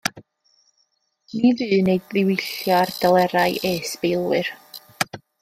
Ni fynn ei ddiwyllio ar delerau ei ysbeilwyr.